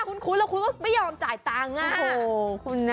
คุ้นแล้วคุณก็ไม่ยอมจ่ายตังค์